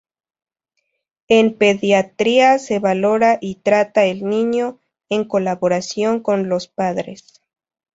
En pediatría se valora y trata el niño, en colaboración con los padres.